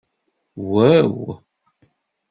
Waw!